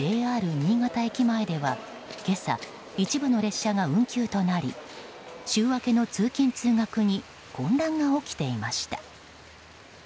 新潟駅前では今朝、一部の列車が運休となり週明けの通勤・通学に混乱が起きていました。